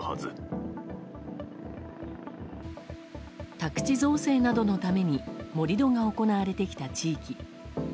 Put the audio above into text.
宅地造成などのために盛り土が行われてきた地域。